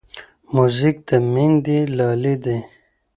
موزیک د میندې لالې دی.